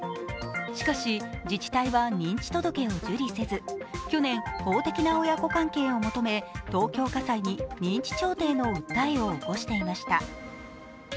しかし、自治体は認知届を受理せず去年、法的な親子関係を求め東京家裁に認知調停の訴えを起こしていました。